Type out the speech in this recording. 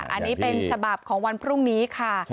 อันนี้เป็นฉบับของวันพรุ่งนี้ค่ะ